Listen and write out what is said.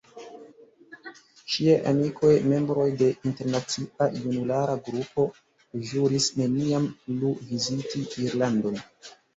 Ŝiaj amikoj – membroj de internacia junulara grupo – ĵuris neniam plu viziti Irlandon.